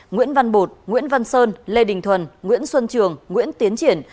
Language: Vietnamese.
nguyễn văn bột nguyễn văn sơn lê đình thuần nguyễn xuân trường nguyễn tiến triển